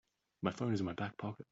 My phone is in my back pocket.